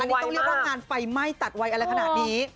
อันนี้ต้องเรียกว่างานไฟไหม้ตัดไวอะไรขนาดนี้